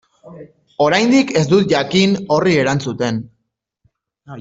Oraindik ez dut jakin horri erantzuten.